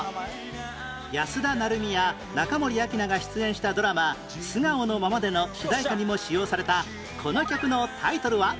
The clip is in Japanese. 安田成美や中森明菜が出演したドラマ『素顔のままで』の主題歌にも使用されたこの曲のタイトルは？